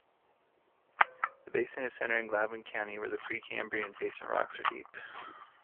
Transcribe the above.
The basin is centered in Gladwin County where the Precambrian basement rocks are deep.